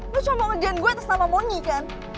lo cuma mau ngejahat gue atas nama moni kan